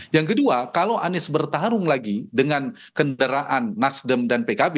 yang kedua kalau anies bertarung lagi dengan kendaraan nasdem dan pkb